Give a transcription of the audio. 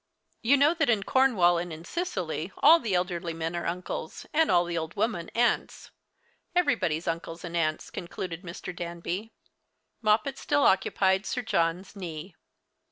"You know that in Cornwall and in Sicily all the elderly men are uncles, and all the old women aunts everybody's uncles and aunts," concluded Mr. Danby. Moppet still occupied Sir John's knee.